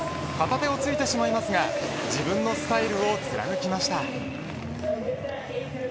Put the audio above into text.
片手をついてしまいますが自分のスタイルを貫きました。